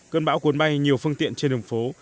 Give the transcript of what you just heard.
cơn bão cuốn bay nhiều phương tiện trên đường phố